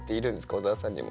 小沢さんにも。